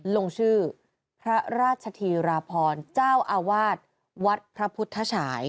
ลงชื่อพระราชธีราพรเจ้าอาวาสวัดพระพุทธฉาย